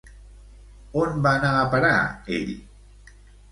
On va anar a parar ell?